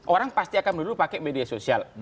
orang pasti akan dulu pakai media sosial